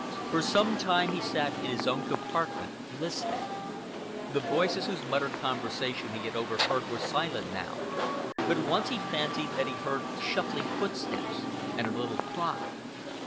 For some time he sat in his own compartment, listening. The voices whose muttered conversation he had overheard were silent now, but once he fancied that he heard shuffling footsteps and a little cry.